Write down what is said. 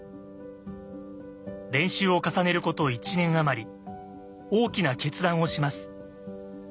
練習を重ねること１年余り大きな決断をします。